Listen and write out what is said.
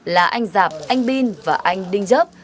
là anh giạp anh bin và anh đinh dấp